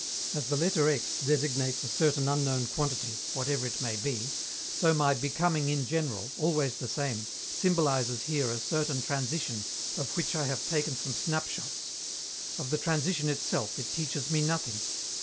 As the letter x designates a certain unknown quantity, whatever it may be, so my "becoming in general," always the same, symbolizes here a certain transition of which I have taken some snapshots; of the transition itself it teaches me nothing.